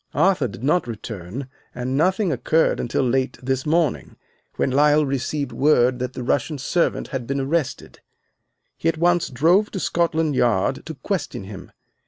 Arthur did not return, and nothing occurred until late this morning, when Lyle received word that the Russian servant had been arrested. He at once drove to Scotland Yard to question him.